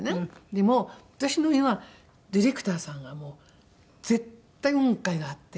でも私のディレクターさんがもう絶対音感があって。